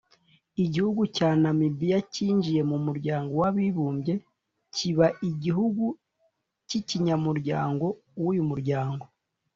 Igihugu cya Namibia cyinjiye mu muryango w’abibumbye kiba igihugu cy’ cy’ikinyamuryango w’uyu muryango